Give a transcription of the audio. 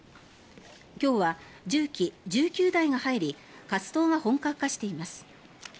今日は重機１９台が入り活動が本格化しています。